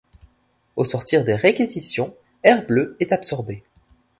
Au sortir des réquisitions, Air Bleu est absorbée.